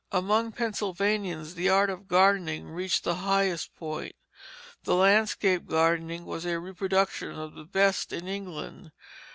Among Pennsylvanians the art of gardening reached the highest point. The landscape gardening was a reproduction of the best in England.